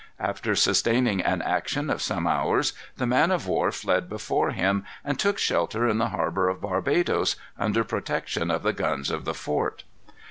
After sustaining an action of some hours, the man of war fled before him, and took shelter in the harbor of Barbadoes, under protection of the guns of the fort.